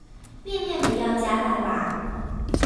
麵麵不要加辣辣